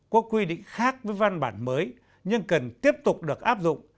có quy định khác với văn bản mới nhưng cần tiếp tục được áp dụng